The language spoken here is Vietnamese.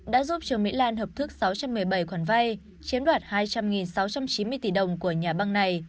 đã giúp trương mỹ lan hợp thức sáu trăm một mươi bảy khoản vay chiếm đoạt hai trăm linh sáu trăm chín mươi tỷ đồng của nhà băng này